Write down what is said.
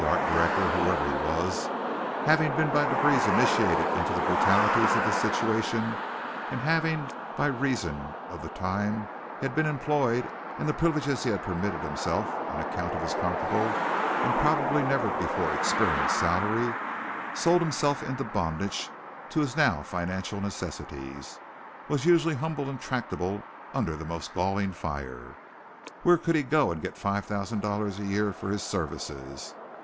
The art director, whoever he was, having been by degrees initiated into the brutalities of the situation, and having by reason of the time he had been employed and the privileges he had permitted himself on account of his comfortable and probably never before experienced salary sold himself into bondage to his now fancied necessities, was usually humble and tractable under the most galling fire. Where could he go and get five thousand dollars a year for his services?